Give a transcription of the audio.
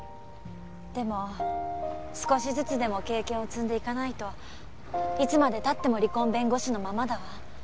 でも少しずつでも経験を積んでいかないといつまで経っても離婚弁護士のままだわ。